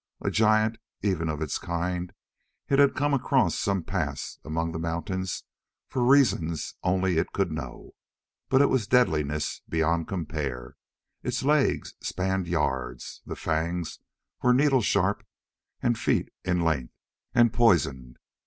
A giant, even of its kind, it had come across some pass among the mountains for reasons only it could know. But it was deadliness beyond compare. Its legs spanned yards. The fangs were needle sharp and feet in length and poisoned.